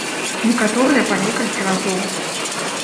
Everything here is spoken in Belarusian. Некаторыя па некалькі разоў.